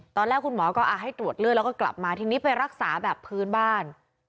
ตอนแรกคุณหมอก็ให้ตรวจเลือดแล้วก็กลับมาทีนี้ไปรักษาแบบพื้นบ้าน